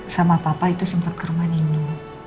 sama papa itu sempat ke rumah nenek